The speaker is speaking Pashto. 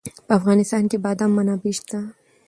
په افغانستان کې د بادام منابع شته.